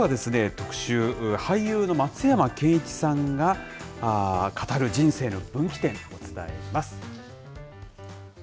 さあ、あすは特集、俳優の松山ケンイチさんが語る人生の分岐点、お伝えします。